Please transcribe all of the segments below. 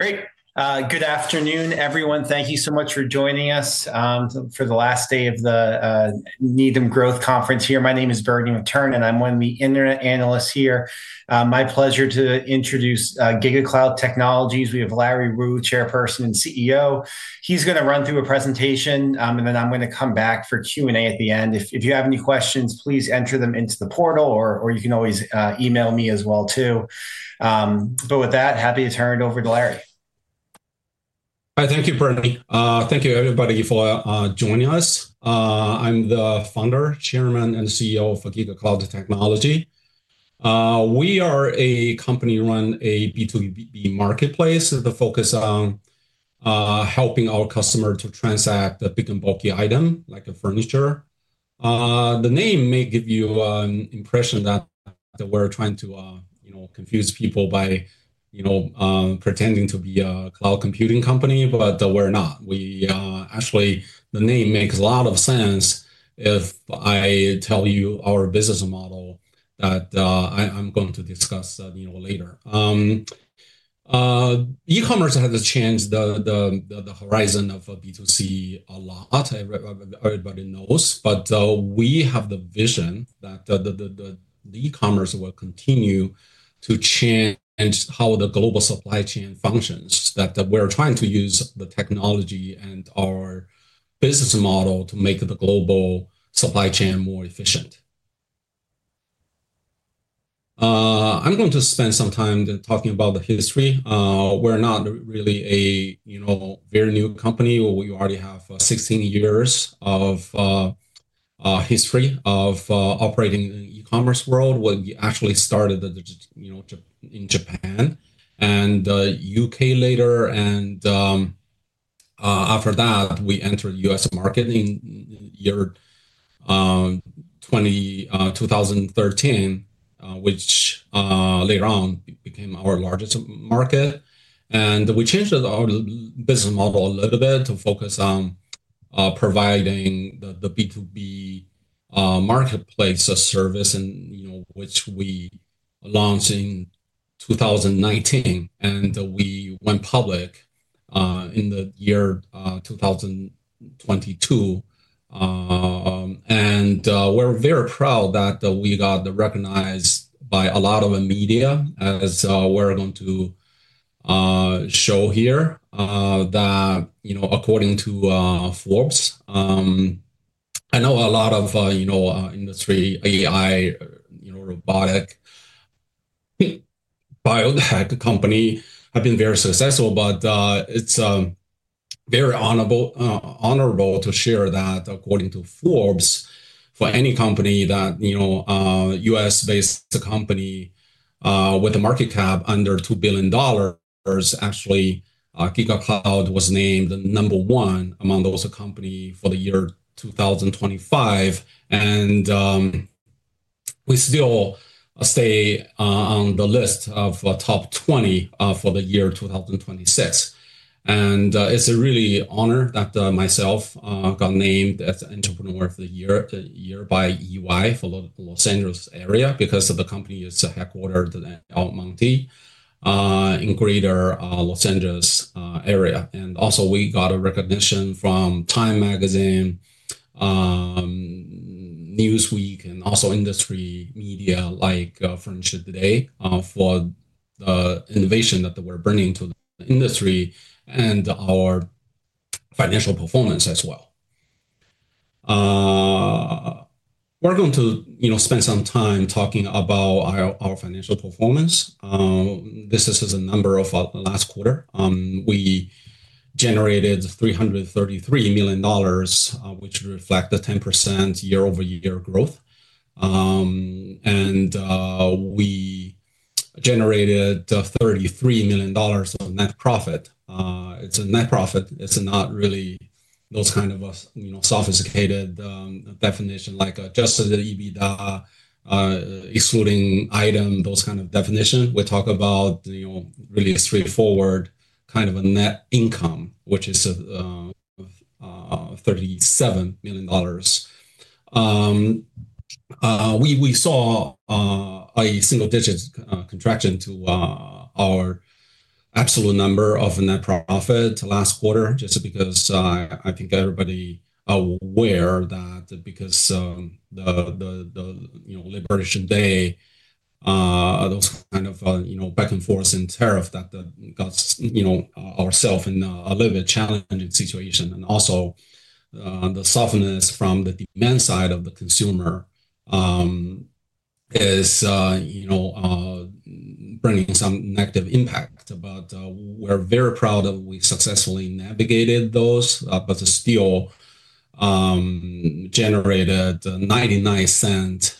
Great. Good afternoon, everyone. Thank you so much for joining us for the last day of the Needham Growth Conference here. My name is Bernie McTernan, and I'm one of the Internet analysts here. My pleasure to introduce GigaCloud Technology. We have Larry Wu, Chairperson and CEO. He's going to run through a presentation, and then I'm going to come back for Q&A at the end. If you have any questions, please enter them into the portal, or you can always email me as well, too. But with that, happy to turn it over to Larry. Thank you, Bernie. Thank you, everybody, for joining us. I'm the Founder, Chairman, and CEO for GigaCloud Technology. We are a company running a B2B marketplace with a focus on helping our customers to transact the big and bulky items, like furniture. The name may give you an impression that we're trying to confuse people by pretending to be a cloud computing company, but we're not. Actually, the name makes a lot of sense if I tell you our business model that I'm going to discuss later. E-commerce has changed the horizon of B2C a lot, everybody knows. But we have the vision that the e-commerce will continue to change how the global supply chain functions, that we're trying to use the technology and our business model to make the global supply chain more efficient. I'm going to spend some time talking about the history. We're not really a very new company. We already have 16 years of history of operating in the e-commerce world. We actually started in Japan and the U.K. later. And after that, we entered the U.S. market in 2013, which later on became our largest market. And we changed our business model a little bit to focus on providing the B2B marketplace service, which we launched in 2019. And we went public in the year 2022. And we're very proud that we got recognized by a lot of the media, as we're going to show here, that according to Forbes, I know a lot of industry AI, robotic, biotech companies have been very successful. But it's very honorable to share that, according to Forbes, for any company, that a U.S.-based company with a market cap under $2 billion, actually, GigaCloud was named number one among those companies for the year 2025. And we still stay on the list of top 20 for the year 2026. And it's a really honor that myself got named as Entrepreneur of the Year by EY for the Los Angeles area because the company is headquartered in El Monte in the greater Los Angeles area. And also, we got a recognition from Time Magazine, Newsweek, and also industry media like Furniture Today for the innovation that we're bringing to the industry and our financial performance as well. We're going to spend some time talking about our financial performance. This is a number of last quarter. We generated $333 million, which reflects the 10% year-over-year growth. We generated $33 million of net profit. It's a net profit. It's not really those kind of sophisticated definitions, like just the EBITDA, excluding item, those kind of definitions. We talk about really straightforward kind of a net income, which is $37 million. We saw a single-digit contraction to our absolute number of net profit last quarter, just because I think everybody is aware that because of the Election Day, those kind of back and forth in tariffs that got ourselves in a little bit challenging situation. The softness from the demand side of the consumer is bringing some negative impact. We're very proud that we successfully navigated those, but still generated $0.99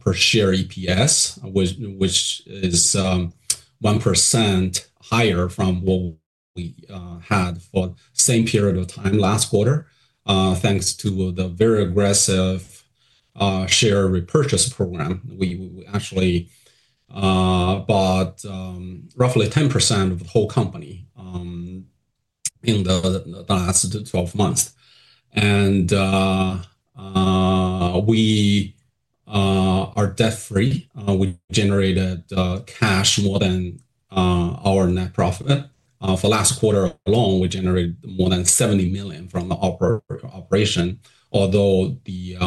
per share EPS, which is 1% higher from what we had for the same period of time last quarter, thanks to the very aggressive share repurchase program. We actually bought roughly 10% of the whole company in the last 12 months, and we are debt-free. We generated cash more than our net profit. For the last quarter alone, we generated more than $70 million from the operation, although the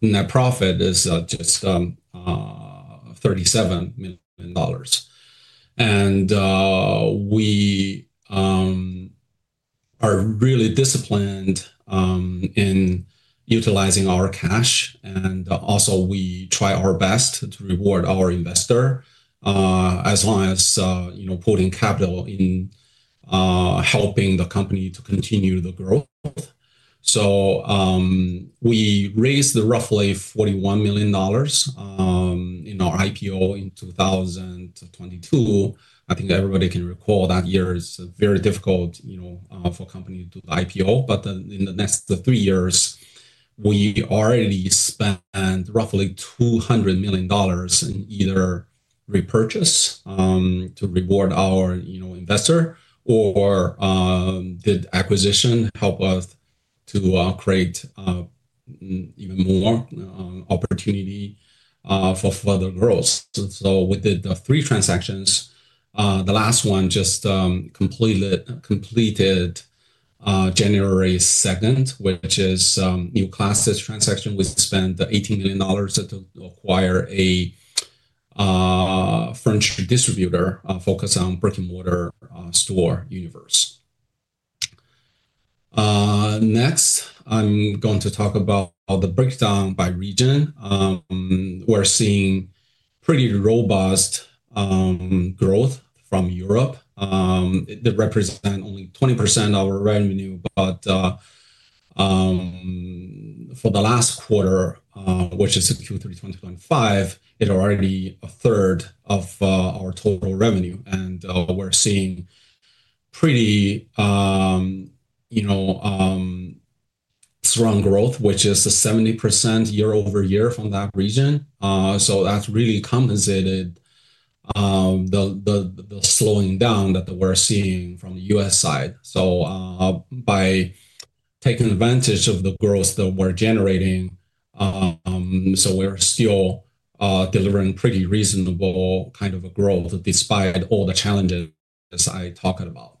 net profit is just $37 million, and we are really disciplined in utilizing our cash, and also we try our best to reward our investor as long as putting capital in helping the company to continue the growth, so we raised roughly $41 million in our IPO in 2022. I think everybody can recall that year is very difficult for a company to do the IPO, but in the next three years, we already spent roughly $200 million in either repurchase to reward our investor or did acquisition help us to create even more opportunity for further growth, so we did three transactions. The last one just completed January 2, which is a newly closed transaction. We spent $18 million to acquire a furniture distributor focused on brick-and-mortar store universe. Next, I'm going to talk about the breakdown by region. We're seeing pretty robust growth from Europe. It represents only 20% of our revenue. But for the last quarter, which is Q3 2025, it's already a third of our total revenue. And we're seeing pretty strong growth, which is 70% year-over-year from that region. So that really compensated the slowing down that we're seeing from the U.S. side. So by taking advantage of the growth that we're generating, we're still delivering pretty reasonable kind of growth despite all the challenges I talked about.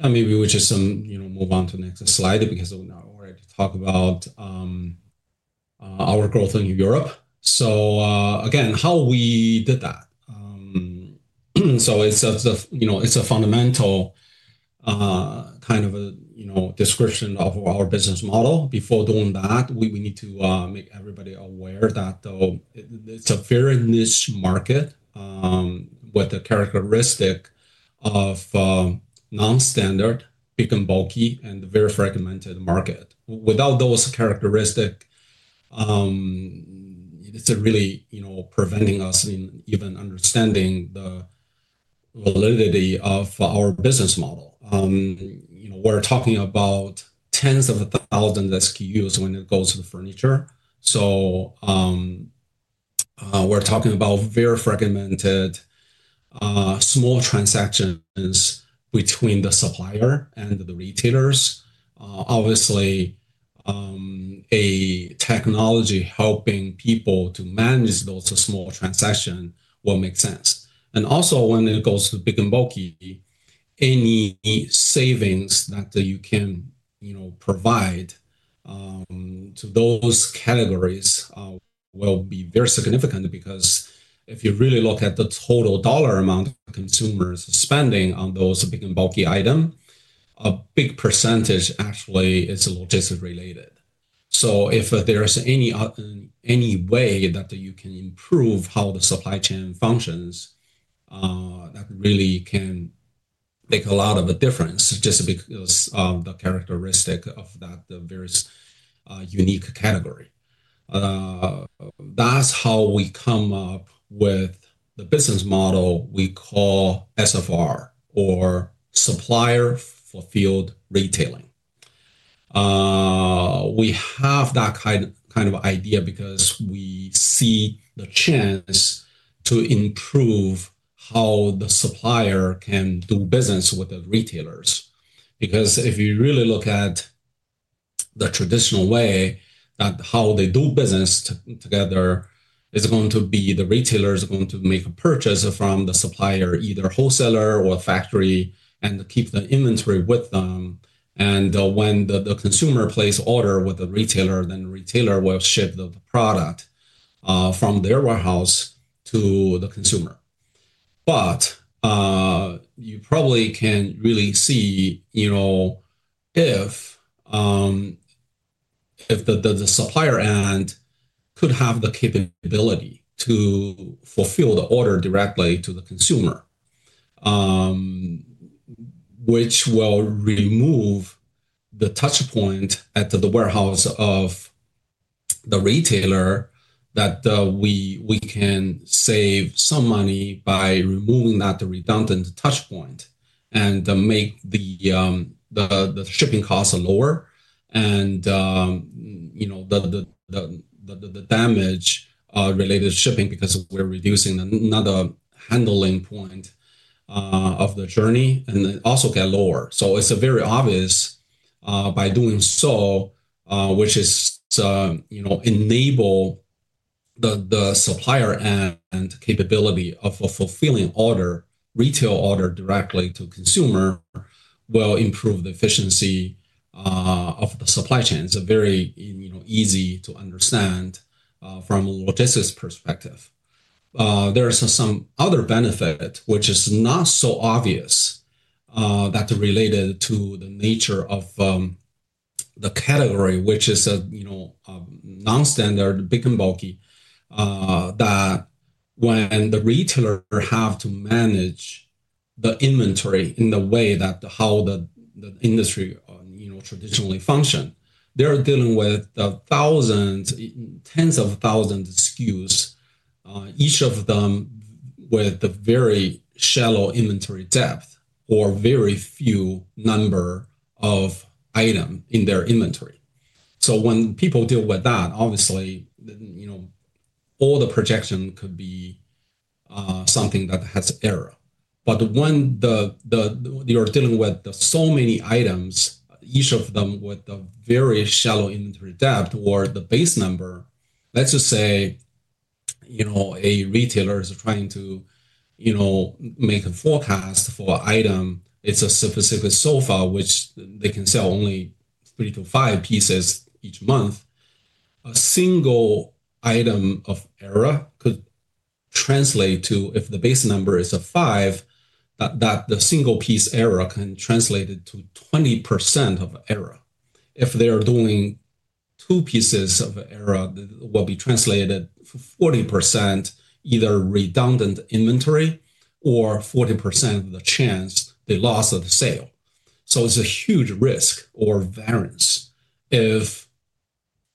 Maybe we just move on to the next slide because we already talked about our growth in Europe. So again, how we did that. So it's a fundamental kind of description of our business model. Before doing that, we need to make everybody aware that it's a very niche market with the characteristic of non-standard, big and bulky, and very fragmented market. Without those characteristics, it's really preventing us from even understanding the validity of our business model. We're talking about tens of thousands of SKUs when it goes to the furniture. So we're talking about very fragmented, small transactions between the supplier and the retailers. Obviously, a technology helping people to manage those small transactions will make sense. And also, when it goes to big and bulky, any savings that you can provide to those categories will be very significant because if you really look at the total dollar amount consumers are spending on those big and bulky items, a big percentage actually is logistics-related. So if there's any way that you can improve how the supply chain functions, that really can make a lot of a difference just because of the characteristics of that very unique category. That's how we come up with the business model we call SFR, or Supplier Fulfilled Retailing. We have that kind of idea because we see the chance to improve how the supplier can do business with the retailers. Because if you really look at the traditional way that how they do business together, it's going to be the retailers are going to make a purchase from the supplier, either wholesaler or factory, and keep the inventory with them. And when the consumer places an order with the retailer, then the retailer will ship the product from their warehouse to the consumer. But you probably can really see if the supplier end could have the capability to fulfill the order directly to the consumer, which will remove the touchpoint at the warehouse of the retailer that we can save some money by removing that redundant touchpoint and make the shipping costs lower and the damage related to shipping because we're reducing another handling point of the journey and also get lower. So it's very obvious by doing so, which is enabling the supplier end capability of fulfilling orders, retail orders directly to consumers, will improve the efficiency of the supply chain. It's very easy to understand from a logistics perspective. There are some other benefits, which are not so obvious, that are related to the nature of the category, which is a non-standard, big and bulky, that when the retailer has to manage the inventory in the way that how the industry traditionally functions, they're dealing with tens of thousands of SKUs, each of them with very shallow inventory depth or very few number of items in their inventory. So when people deal with that, obviously, all the projections could be something that has error. But when you're dealing with so many items, each of them with very shallow inventory depth or the base number, let's just say a retailer is trying to make a forecast for an item, it's a specific sofa, which they can sell only three to five pieces each month. A single item of error could translate to, if the base number is a five, that the single piece error can translate to 20% of error. If they are doing two pieces of error, it will be translated to 40% either redundant inventory or 40% of the chance they lost at the sale. It's a huge risk or variance if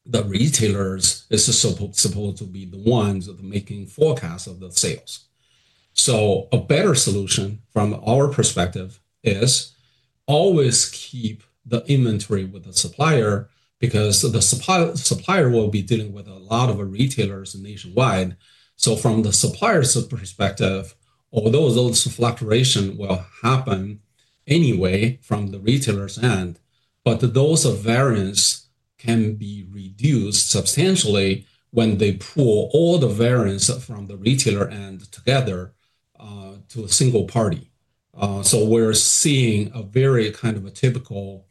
the retailers are supposed to be the ones making forecasts of the sales. A better solution from our perspective is always keep the inventory with the supplier because the supplier will be dealing with a lot of retailers nationwide. From the supplier's perspective, although those fluctuations will happen anyway from the retailer's end, those variance can be reduced substantially when they pull all the variance from the retailer end together to a single party. So we're seeing a very kind of a typical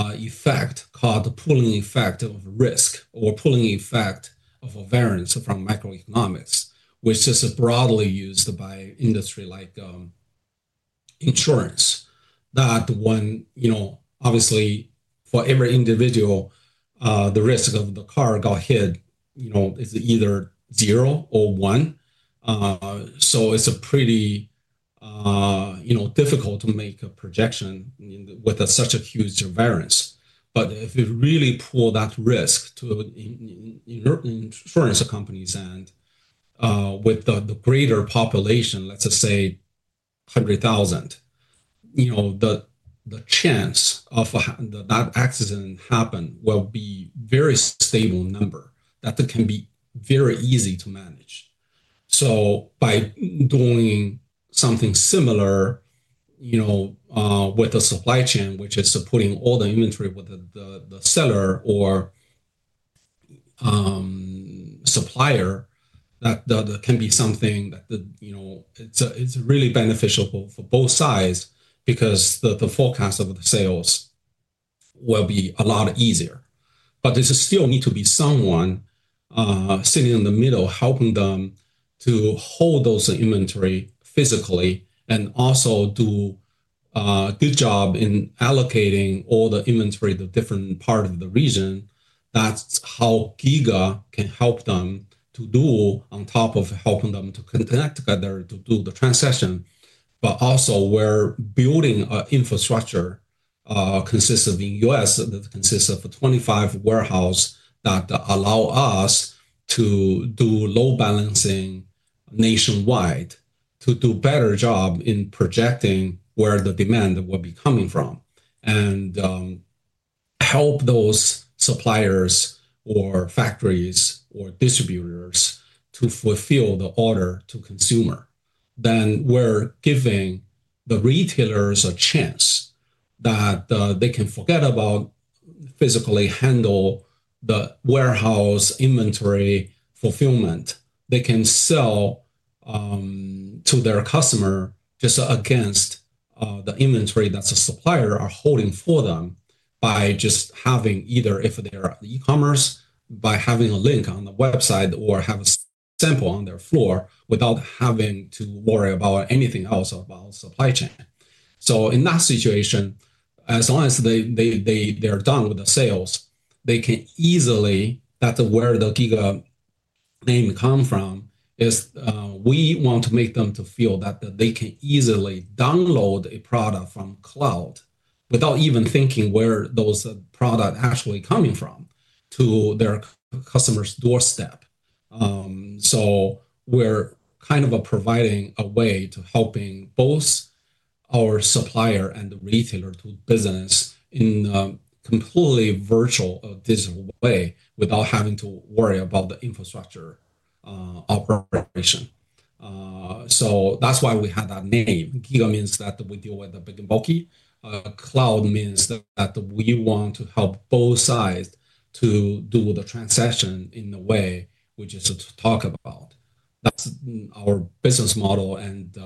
effect called the pooling effect of risk or pooling effect of variance from macroeconomics, which is broadly used by industry like insurance. That, when obviously, for every individual, the risk of the car got hit is either zero or one. So it's pretty difficult to make a projection with such a huge variance. But if you really pool that risk to insurance companies and with the greater population, let's just say 100,000, the chance of that accident happening will be a very stable number that can be very easy to manage. So by doing something similar with the supply chain, which is putting all the inventory with the seller or supplier, that can be something that it's really beneficial for both sides because the forecast of the sales will be a lot easier. But there still needs to be someone sitting in the middle helping them to hold those inventory physically and also do a good job in allocating all the inventory to different parts of the region. That's how Giga can help them to do on top of helping them to connect together to do the transaction. But also, we're building an infrastructure consisting of the U.S. that consists of 25 warehouses that allow us to do load balancing nationwide to do a better job in projecting where the demand will be coming from and help those suppliers or factories or distributors to fulfill the order to consumer, then we're giving the retailers a chance that they can forget about physically handling the warehouse inventory fulfillment. They can sell to their customer just against the inventory that the supplier is holding for them by just having either if they're e-commerce, by having a link on the website, or have a sample on their floor without having to worry about anything else about supply chain. So in that situation, as long as they're done with the sales, they can easily, that's where the Giga name comes from, is we want to make them feel that they can easily download a product from cloud without even thinking where those products are actually coming from to their customer's doorstep. So we're kind of providing a way to help both our supplier and the retailer do business in a completely virtual or digital way without having to worry about the infrastructure operation. So that's why we have that name. Giga means that we deal with the big and bulky. GigaCloud means that we want to help both sides to do the transaction in the way we just talked about. That's our business model, and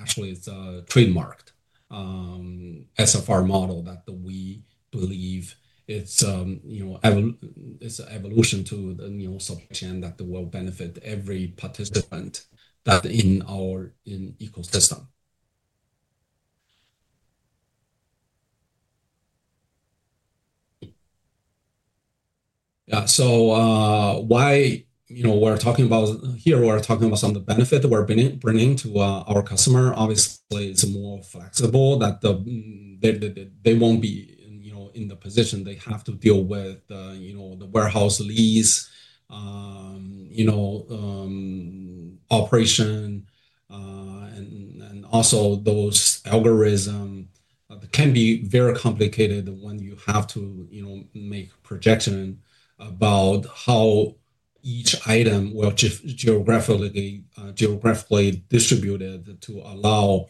actually, it's trademarked SFR model that we believe it's an evolution to the supply chain that will benefit every participant in our ecosystem. Yeah, so why we're talking about here? We're talking about some of the benefits we're bringing to our customers. Obviously, it's more flexible that they won't be in the position they have to deal with the warehouse lease operation and also those algorithms that can be very complicated when you have to make projections about how each item will be geographically distributed to allow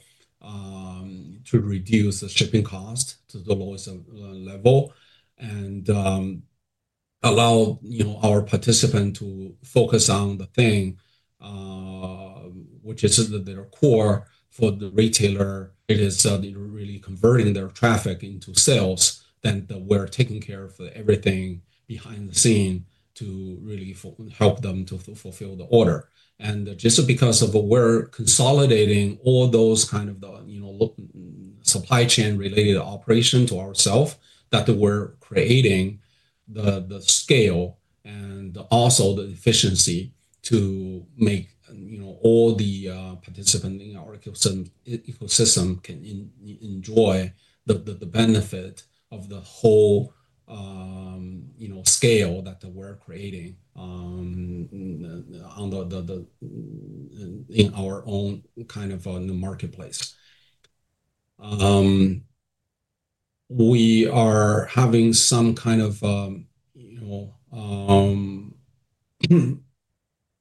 to reduce the shipping cost to the lowest level and allow our participants to focus on the thing, which is their core for the retailer. It is really converting their traffic into sales, then we're taking care of everything behind the scene to really help them to fulfill the order, and just because we're consolidating all those kinds of supply chain-related operations to ourselves, that we're creating the scale and also the efficiency to make all the participants in our ecosystem can enjoy the benefit of the whole scale that we're creating in our own kind of marketplace. We are having some kind of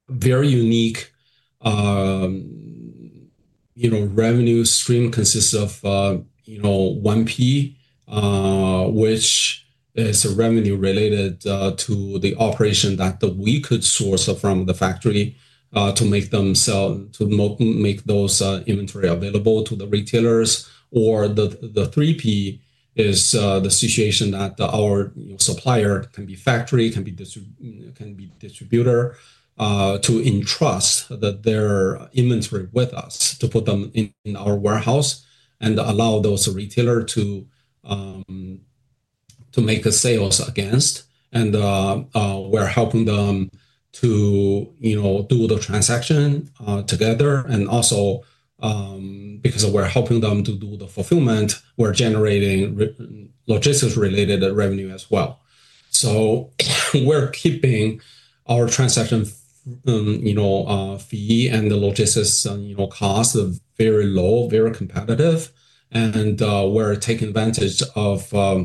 very unique revenue stream consisting of 1P, which is revenue related to the operation that we could source from the factory to make those inventory available to the retailers, or the 3P is the situation that our supplier can be a factory, can be a distributor to entrust their inventory with us to put them in our warehouse and allow those retailers to make sales against. We're helping them to do the transaction together. Also, because we're helping them to do the fulfillment, we're generating logistics-related revenue as well. So we're keeping our transaction fee and the logistics cost very low, very competitive. We're taking advantage of the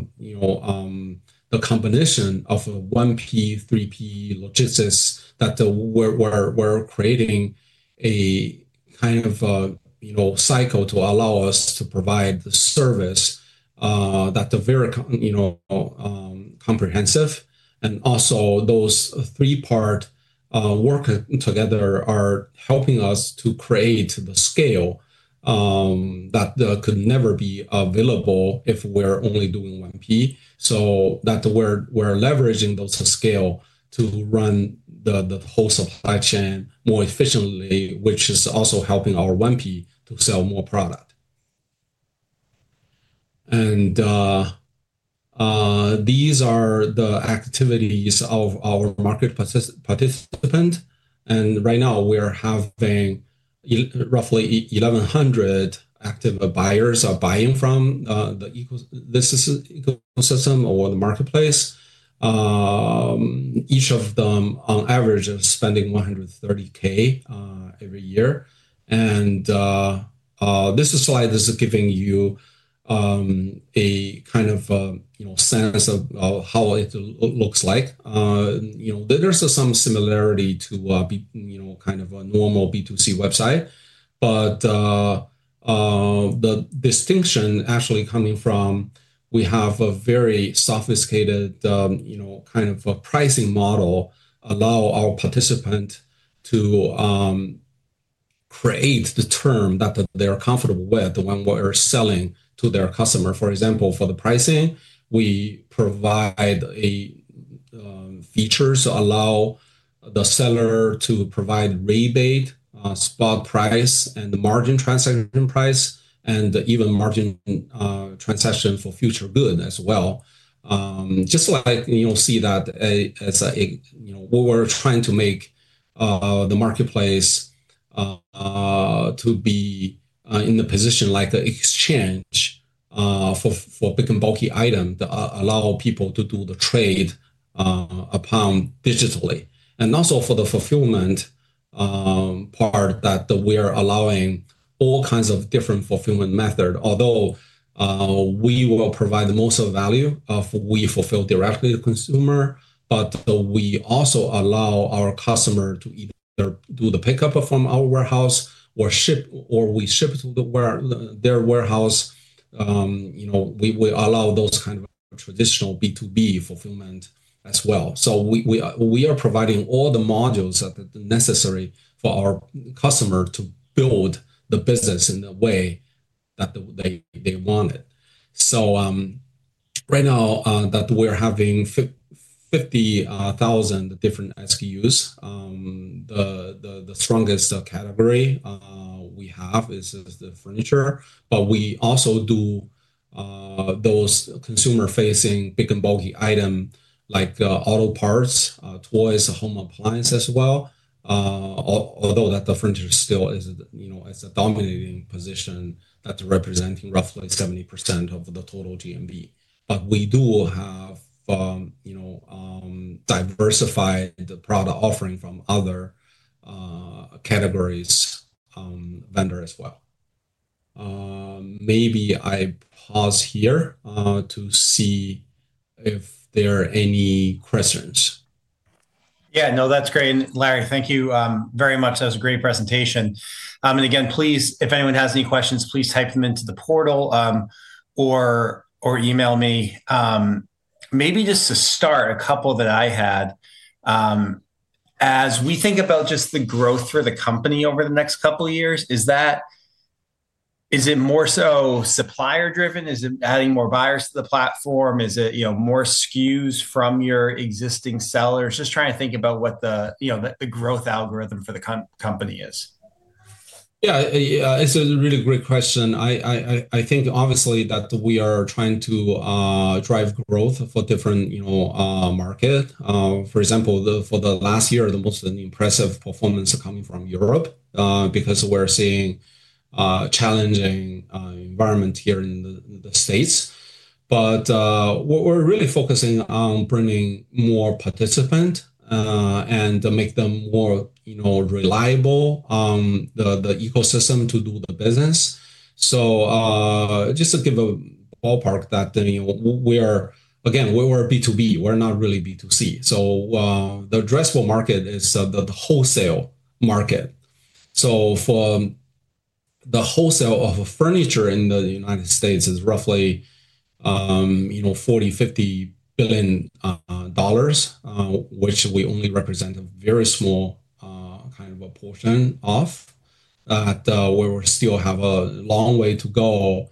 combination of 1P, 3P logistics that we're creating a kind of cycle to allow us to provide the service that's very comprehensive. Also, those three-part working together are helping us to create the scale that could never be available if we're only doing 1P. We're leveraging those scales to run the whole supply chain more efficiently, which is also helping our 1P to sell more product. These are the activities of our market participants. Right now, we're having roughly 1,100 active buyers buying from the ecosystem or the marketplace. Each of them, on average, is spending $130K every year. This slide is giving you a kind of sense of how it looks like. There's some similarity to kind of a normal B2C website. The distinction actually coming from we have a very sophisticated kind of pricing model that allows our participants to create the term that they're comfortable with when we're selling to their customers. For example, for the pricing, we provide features that allow the seller to provide rebate, spot price, and margin transaction price, and even margin transaction for future goods as well. Just like you'll see that we're trying to make the marketplace to be in a position like the exchange for big and bulky items that allow people to do the trade upon digitally. Also for the fulfillment part, that we're allowing all kinds of different fulfillment methods. Although we will provide most of the value if we fulfill directly to the consumer, but we also allow our customers to either do the pickup from our warehouse or we ship to their warehouse. We allow those kinds of traditional B2B fulfillment as well. So we are providing all the modules that are necessary for our customers to build the business in the way that they want it. So right now, we're having 50,000 different SKUs. The strongest category we have is the furniture. But we also do those consumer-facing big and bulky items like auto parts, toys, home appliances as well. Although the furniture still is a dominating position that's representing roughly 70% of the total GMV. But we do have diversified product offerings from other categories' vendors as well. Maybe I'll pause here to see if there are any questions. Yeah. No, that's great. Larry, thank you very much. That was a great presentation. And again, please, if anyone has any questions, please type them into the portal or email me. Maybe just to start, a couple that I had. As we think about just the growth for the company over the next couple of years, is it more so supplier-driven? Is it adding more buyers to the platform? Is it more SKUs from your existing sellers? Just trying to think about what the growth algorithm for the company is. Yeah. It's a really great question. I think, obviously, that we are trying to drive growth for different markets. For example, for the last year, the most impressive performance is coming from Europe because we're seeing a challenging environment here in the States. But we're really focusing on bringing more participants and make them more reliable on the ecosystem to do the business. So just to give a ballpark that, again, we're B2B. We're not really B2C. So the addressable market is the wholesale market. So for the wholesale of furniture in the United States, it's roughly $40-$50 billion, which we only represent a very small kind of a portion of. We still have a long way to go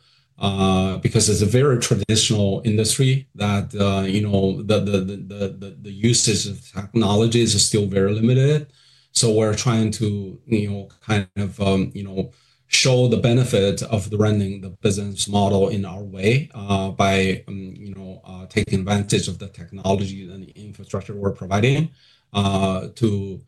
because it's a very traditional industry that the usage of technology is still very limited. So we're trying to kind of show the benefits of running the business model in our way by taking advantage of the technology and the infrastructure we're providing to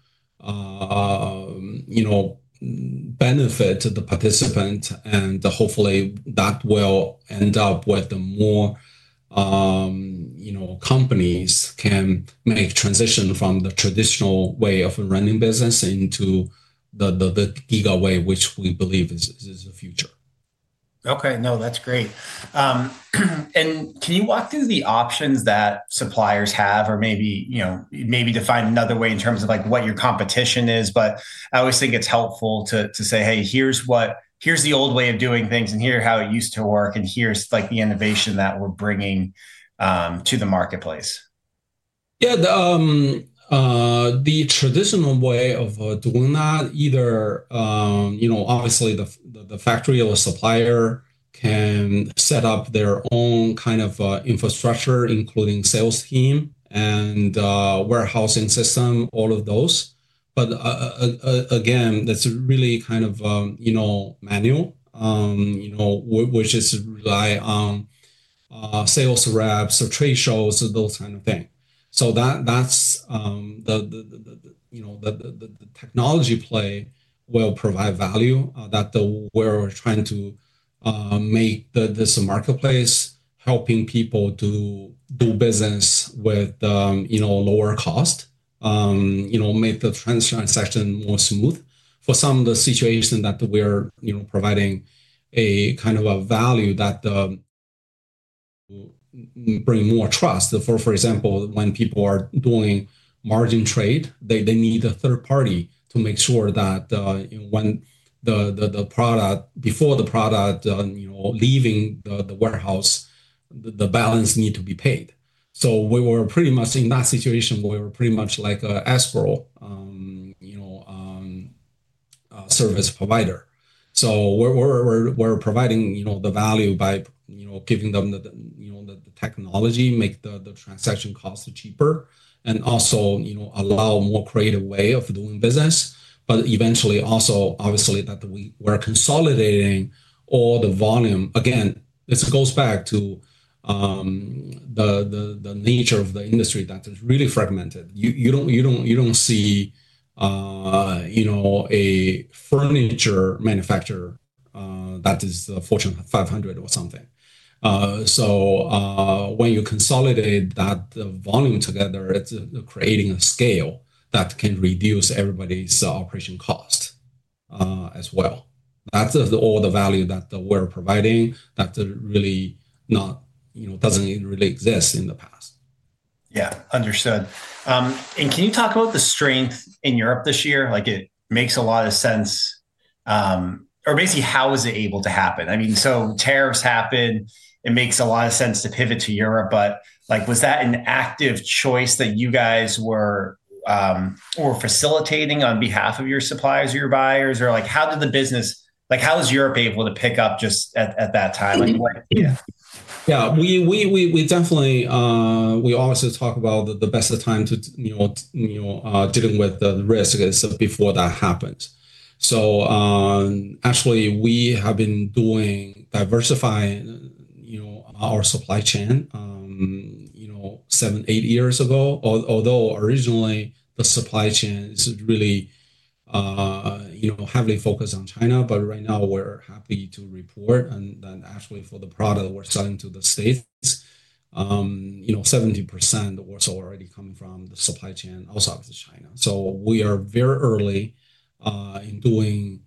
benefit the participants. And hopefully, that will end up with more companies can make transition from the traditional way of running business into the Giga way, which we believe is the future. Okay. No, that's great. Can you walk through the options that suppliers have or maybe define another way in terms of what your competition is? I always think it's helpful to say, "Hey, here's the old way of doing things, and here's how it used to work, and here's the innovation that we're bringing to the marketplace." Yeah. The traditional way of doing that, either obviously, the factory or the supplier can set up their own kind of infrastructure, including sales team and warehousing system, all of those. Again, that's really kind of manual, which just relies on sales reps or trade shows, those kinds of things. That's the technology play will provide value that we're trying to make this marketplace, helping people to do business with lower cost, make the transaction more smooth. For some of the situations that we're providing a kind of a value that brings more trust. For example, when people are doing margin trade, they need a third party to make sure that, before the product leaving the warehouse, the balance needs to be paid. So we were pretty much in that situation. We were pretty much like an escrow service provider. So we're providing the value by giving them the technology, make the transaction costs cheaper, and also allow a more creative way of doing business. But eventually, also, obviously, that we're consolidating all the volume. Again, this goes back to the nature of the industry that is really fragmented. You don't see a furniture manufacturer that is Fortune 500 or something. So when you consolidate that volume together, it's creating a scale that can reduce everybody's operation cost as well. That's all the value that we're providing that really doesn't exist in the past. Yeah. Understood. Can you talk about the strength in Europe this year? It makes a lot of sense. Or basically, how was it able to happen? I mean, so tariffs happen. It makes a lot of sense to pivot to Europe. But was that an active choice that you guys were facilitating on behalf of your suppliers, your buyers? Or how did the business, how was Europe able to pick up just at that time? Yeah. Yeah. We obviously talk about the best of the time to deal with the risk before that happens. So actually, we have been diversifying our supply chain seven, eight years ago. Although originally, the supply chain is really heavily focused on China. But right now, we're happy to report that actually for the product we're selling to the States, 70% was already coming from the supply chain, also out of China. So we are very early in doing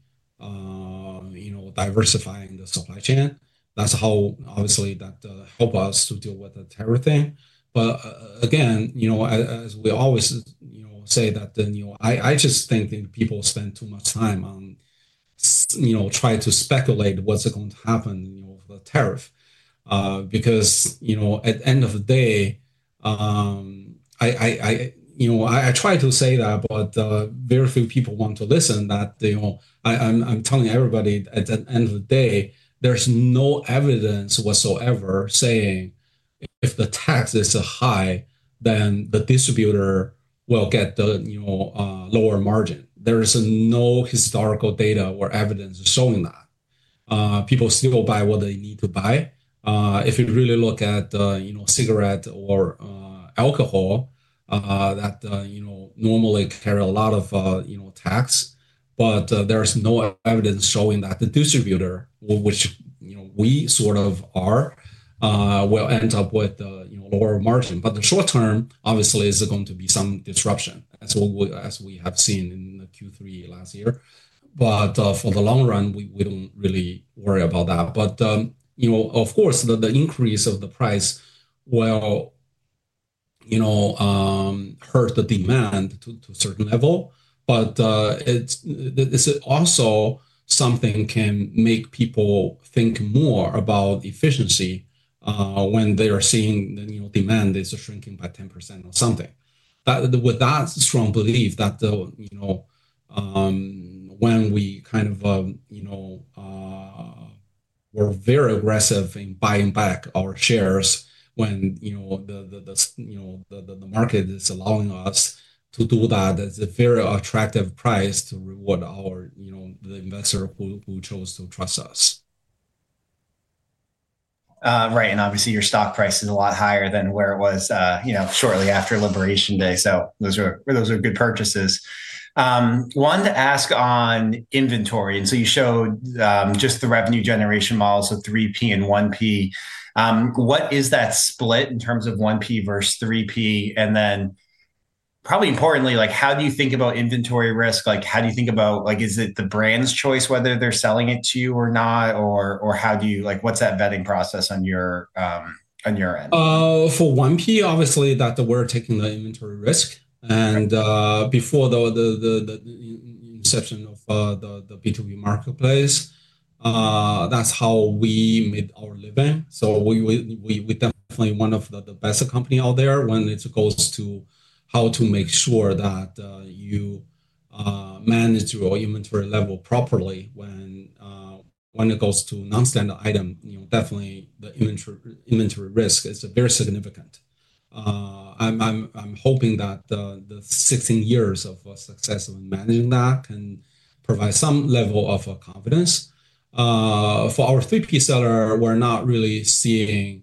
diversifying the supply chain. That's how, obviously, that helped us to deal with the tariff thing. But again, as we always say, I just think people spend too much time on trying to speculate what's going to happen with the tariff. Because at the end of the day, I try to say that, but very few people want to listen. I'm telling everybody at the end of the day, there's no evidence whatsoever saying if the tax is so high, then the distributor will get the lower margin. There is no historical data or evidence showing that. People still buy what they need to buy. If you really look at cigarettes or alcohol, that normally carry a lot of tax. But there's no evidence showing that the distributor, which we sort of are, will end up with a lower margin. But the short term, obviously, is going to be some disruption, as we have seen in Q3 last year. But for the long run, we don't really worry about that. But of course, the increase of the price will hurt the demand to a certain level. But it's also something that can make people think more about efficiency when they are seeing the demand is shrinking by 10% or something. With that strong belief that when we kind of were very aggressive in buying back our shares when the market is allowing us to do that, it's a very attractive price to reward the investor who chose to trust us. Right. Obviously, your stock price is a lot higher than where it was shortly after Labor Day. Those are good purchases. One to ask on inventory. You showed just the revenue generation models of 3P and 1P. What is that split in terms of 1P versus 3P? Then probably importantly, how do you think about inventory risk? How do you think about is it the brand's choice whether they're selling it to you or not? Or what's that vetting process on your end? For 1P, obviously, that we're taking the inventory risk. Before the inception of the B2B marketplace, that's how we made our living. We're definitely one of the best companies out there when it goes to how to make sure that you manage your inventory level properly. When it goes to non-standard items, definitely the inventory risk is very significant. I'm hoping that the 16 years of success in managing that can provide some level of confidence. For our 3P seller, we're not really seeing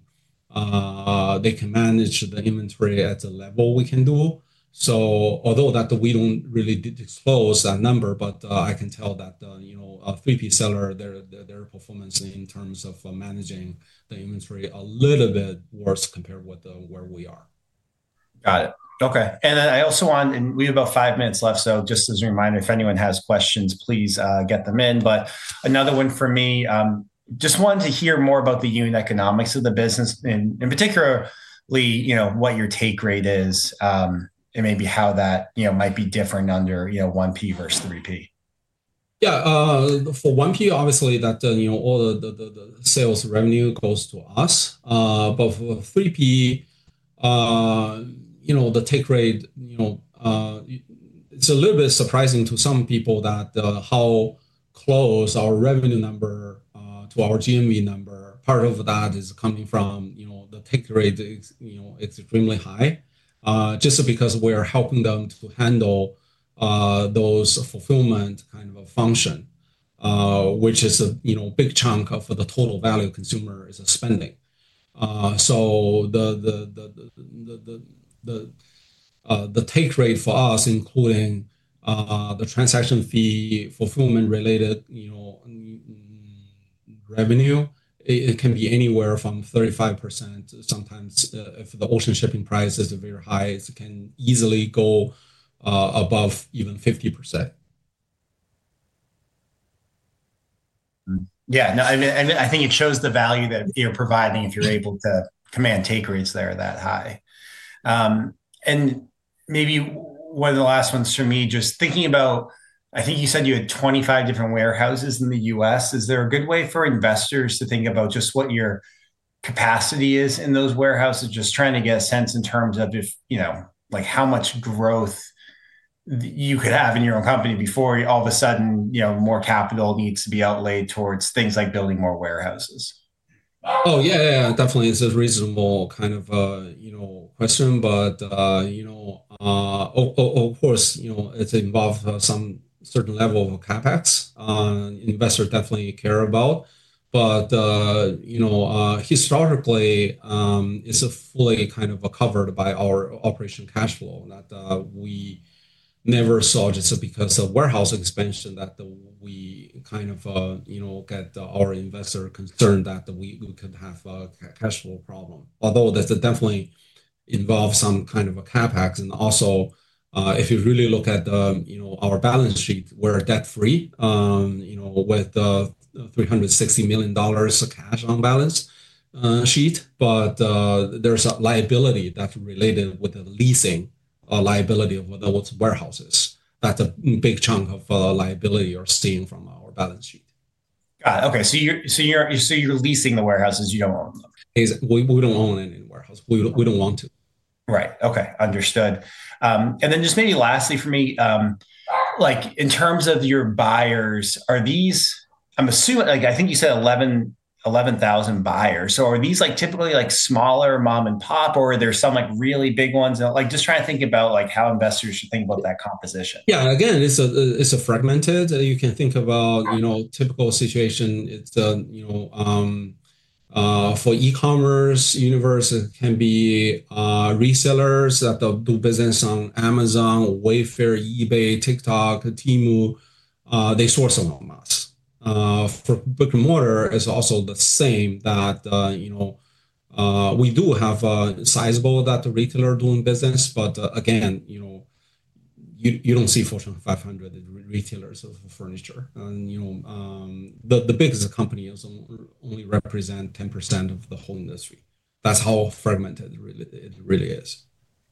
they can manage the inventory at the level we can do. So although that we don't really disclose that number, but I can tell that 3P seller, their performance in terms of managing the inventory is a little bit worse compared with where we are. Got it. Okay. And then I also want and we have about five minutes left. So just as a reminder, if anyone has questions, please get them in. But another one for me, just wanted to hear more about the unit economics of the business, and particularly what your take rate is, and maybe how that might be different under 1P versus 3P. Yeah. For 1P, obviously, that all the sales revenue goes to us. But for 3P, the take rate, it's a little bit surprising to some people that how close our revenue number to our GMV number, part of that is coming from the take rate is extremely high, just because we are helping them to handle those fulfillment kind of functions, which is a big chunk of the total value consumer is spending. So the take rate for us, including the transaction fee, fulfillment-related revenue, it can be anywhere from 35%. Sometimes if the ocean shipping price is very high, it can easily go above even 50%. Yeah. No, I mean, I think it shows the value that you're providing if you're able to command take rates that high. And maybe one of the last ones for me, just thinking about, I think you said you had 25 different warehouses in the US. Is there a good way for investors to think about just what your capacity is in those warehouses? Just trying to get a sense in terms of how much growth you could have in your own company before all of a sudden more capital needs to be outlaid towards things like building more warehouses. Oh, yeah, yeah, yeah. Definitely. It's a reasonable kind of question, but of course, it involves some certain level of CapEx investors definitely care about. But historically, it's fully kind of covered by our operating cash flow that we never saw just because of warehouse expansion that we kind of get our investor concerned that we could have a cash flow problem. Although that definitely involves some kind of a CapEx, and also, if you really look at our balance sheet, we're debt-free with $360 million cash on balance sheet. But there's a liability that's related with the leasing liability of our warehouses. That's a big chunk of liability we're seeing from our balance sheet. Got it. Okay. So you're leasing the warehouses you don't own them? We don't own any warehouse. We don't want to. Right. Okay. Understood. And then just maybe lastly for me, in terms of your buyers, are these? I think you said 11,000 buyers. So are these typically smaller mom-and-pop, or are there some really big ones? Just trying to think about how investors should think about that composition. Yeah. Again, it's fragmented. You can think about typical situation. For e-commerce universe, it can be resellers that do business on Amazon, Wayfair, eBay, TikTok, Temu. They source from us. For brick and mortar, it's also the same that we do have sizable retailers doing business. But again, you don't see Fortune 500 retailers of furniture. And the biggest company only represents 10% of the whole industry. That's how fragmented it really is.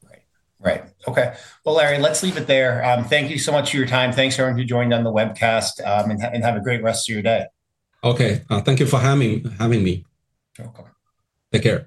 Right. Right. Okay. Well, Larry, let's leave it there. Thank you so much for your time. Thanks for everyone who joined on the webcast. And have a great rest of your day. Okay. Thank you for having me. Okay. Take care.